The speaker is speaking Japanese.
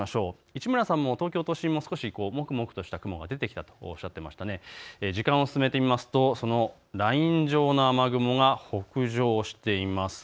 市村さんも、もくもくとした雲が出てきたとおっしゃっていましたが時間を進めてみますとライン状の雨雲が北上しています。